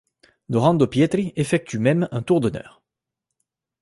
Dorando Pietri effectue, même, un tour d'honneur.